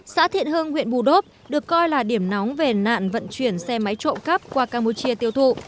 xã thiện hưng huyện bù đốp được coi là điểm nóng về nạn vận chuyển xe máy trộm cắp qua campuchia tiêu thụ